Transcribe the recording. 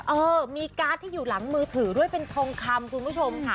เออมีการ์ดที่อยู่หลังมือถือด้วยเป็นทองคำคุณผู้ชมค่ะ